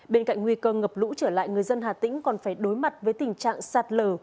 bên cạnh nguy cơ ngập lũ trở lại người dân hà tĩnh còn phải đối mặt với tình trạng sạt lở